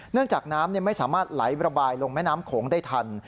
จากน้ำไม่สามารถไหลระบายลงแม่น้ำโขงได้ทัน